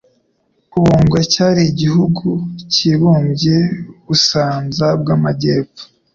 U Bungwe cyari igihugu kibumbye ubusanza bw'amajyepfo